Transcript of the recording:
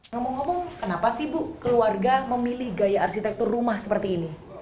ngomong ngomong kenapa sih bu keluarga memilih gaya arsitektur rumah seperti ini